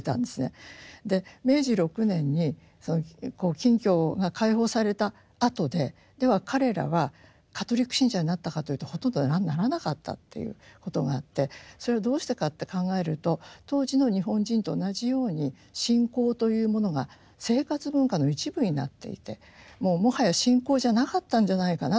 で明治６年に禁教が解放されたあとででは彼らはカトリック信者になったかというとほとんどならなかったっていうことがあってそれはどうしてかって考えると当時の日本人と同じように信仰というものが生活文化の一部になっていてもうもはや信仰じゃなかったんじゃないかなっていうふうに思うんですね。